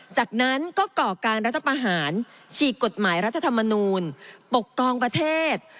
จากนั้นก็ก่อการรัฐประหารฉีกกฎหมายรัฐธรรมนูลปกครองประเทศ